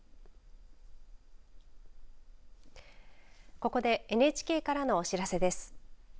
ここでＮＨＫからのお知らせです。